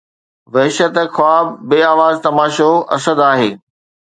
وحشت، خواب، بي آواز تماشو اسد آهي